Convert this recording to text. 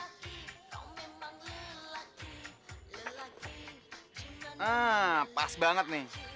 nah pas banget nih